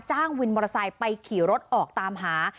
วินมอเตอร์ไซค์ไปขี่รถออกตามหา